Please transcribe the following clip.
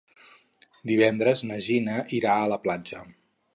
Divendres na Gina irà a la platja.